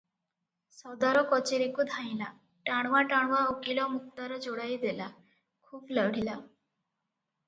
ସଦର କଚେରୀକୁ ଧାଇଁଲା, ଟାଣୁଆ ଟାଣୁଆ ଓକିଲ ମୁକ୍ତାର ଯୋଡ଼ାଏ ଦେଲା, ଖୁବ୍ ଲଢ଼ିଲା ।